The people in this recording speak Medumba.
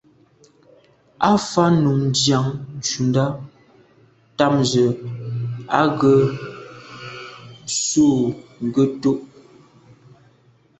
Á fáŋ nùm dìǎŋ ncúndá támzə̄ à ŋgə̂ sû ŋgə́tú’.